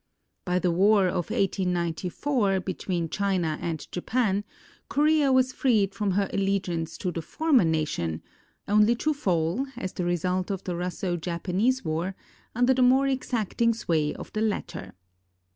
By the war of 1894 between China and Japan, Korea was freed from her allegiance to the former nation, only to fall, as the result of the Russo Japanese War, under the more exacting sway of the latter.